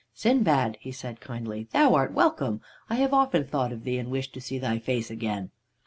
"'Sindbad,' he said kindly, 'thou art welcome. I have often thought of thee, and wished to see thy face again.'